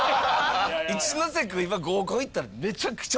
一ノ瀬君今合コン行ったらめちゃくちゃモテますよ